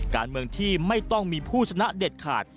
การเมืองที่ไม่ต้องมีผู้ชนะเด็ดขาด